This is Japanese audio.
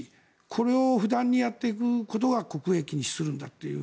これを不断にやっていくことが国益にするんだという。